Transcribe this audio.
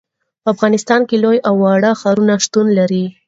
په افغانستان کې لوی او واړه ښارونه شتون لري.